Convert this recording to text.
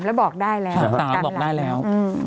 ๓แล้วบอกได้แล้ว